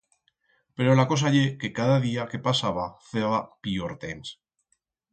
Pero la cosa ye que cada día que pasaba feba pior temps.